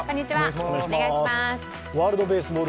ワールドベースボール